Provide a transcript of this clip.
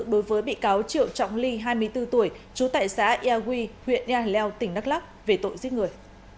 đối với bị cáo triệu trọng ly hai mươi bốn tuổi chú tệ xã yà huy huyện yà hà leo tỉnh đắk lắk về tội giết người